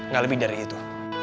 gak lebih dari itu